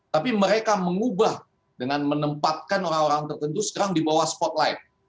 tapi mereka mengubah dengan menempatkan orang orang tertentu sekarang di bawah spotlight